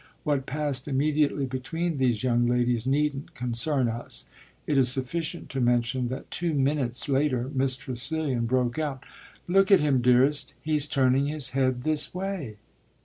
What passed immediately between these young ladies needn't concern us: it is sufficient to mention that two minutes later Miss Tressilian broke out: "Look at him, dearest; he's turning his head this way!"